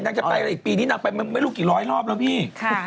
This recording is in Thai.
จะไปอะไรอีกปีนี้นางไปไม่รู้กี่ร้อยรอบแล้วพี่